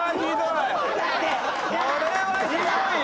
これはひどいよ。